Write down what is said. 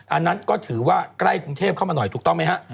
อันนั้นก็ถือว่าใกล้กรุงเทพเข้ามาหน่อยถูกต้องไหมฮะ